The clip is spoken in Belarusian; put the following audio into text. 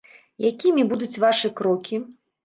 Якімі будуць вашы крокі?